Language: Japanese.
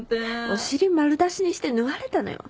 お尻丸出しにして縫われたのよ。